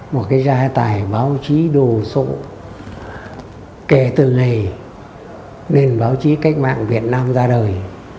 một cái gia tài báo chí đồ sộ kể từ ngày nền báo chí cách mạng việt nam ra đời